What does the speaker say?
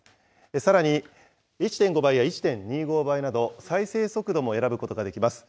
さらに１．５倍や１．２５倍など、再生速度も選ぶこともできます。